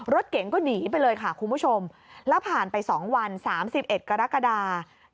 รถเก๋งก็หนีไปเลยค่ะคุณผู้ชมแล้วผ่านไป๒วัน๓๑กรกฎา